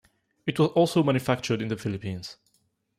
It was also manufactured in the Philippines.